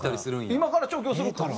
今から調教するから。